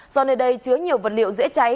do nơi đây chứa nhiều vật liệu dễ cháy